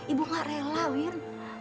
ibu gak rela win